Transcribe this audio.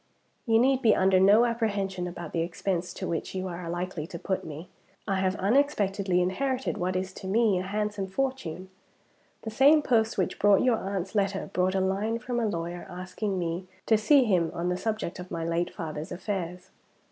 "You need be under no apprehension about the expense to which you are likely to put me. I have unexpectedly inherited what is to me a handsome fortune. "The same post which brought your aunt's letter brought a line from a lawyer asking me to see him on the subject of my late father's affairs.